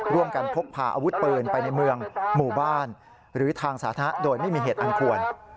พกพาอาวุธปืนไปในเมืองหมู่บ้านหรือทางสาธารณะโดยไม่มีเหตุอันควร